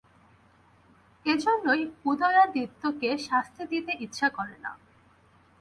এইজন্য উদয়াদিত্যকে শাস্তি দিতে ইচ্ছা করে না।